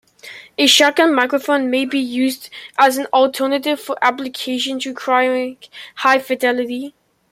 A shotgun microphone may be used as an alternative for applications requiring high fidelity.